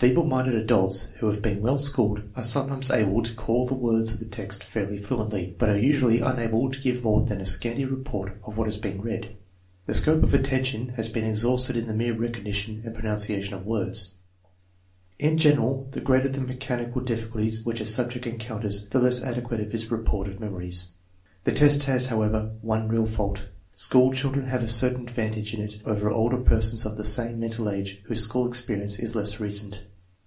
Feeble minded adults who have been well schooled are sometimes able to call the words of the text fairly fluently, but are usually unable to give more than a scanty report of what has been read. The scope of attention has been exhausted in the mere recognition and pronouncing of words. In general, the greater the mechanical difficulties which a subject en counters, the less adequate is his report of memories. The test has, however, one real fault. School children have a certain advantage in it over older persons of the same mental age whose school experience is less recent.